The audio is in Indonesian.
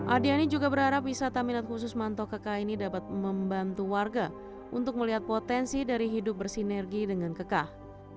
ardiani juga berharap wisata minat khusus manto keka ini dapat membantu warga untuk melihat potensi dari hidup bersinergi dengan kekah